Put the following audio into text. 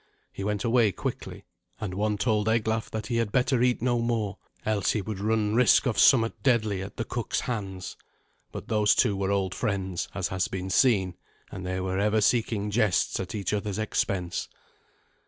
He went away quickly; and one told Eglaf that he had better eat no more, else would he run risk of somewhat deadly at the cook's hands. But those two were old friends, as has been seen, and they were ever seeking jests at each other's expense.